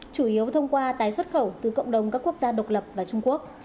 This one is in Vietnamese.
chủ yếu thông qua tái xuất khẩu từ cộng đồng các quốc gia độc lập và trung quốc